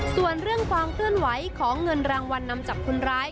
ส่วนเรื่องความเคลื่อนไหวของเงินรางวัลนำจับคนร้าย